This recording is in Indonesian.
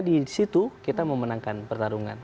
di situ kita memenangkan pertarungan